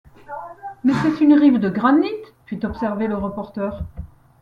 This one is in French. Mais c’est une rive de granit ! fit observer le reporter.